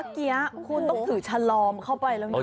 เมื่อกี้คุณต้องถือชะลอมเข้าไปแล้วไง